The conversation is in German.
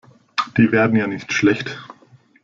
Die werden ja nicht schlecht.